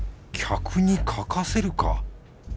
客に書かせるか？